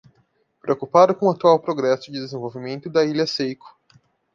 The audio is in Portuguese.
Preocupado com o atual progresso do desenvolvimento da Ilha Seiko